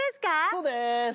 そうです。